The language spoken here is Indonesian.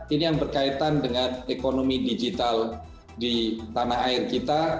ini yang berkaitan dengan ekonomi digital di tanah air kita